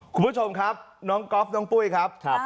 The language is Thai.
คุณผู้ชมครับน้องก๊อฟน้องปุ้ยครับ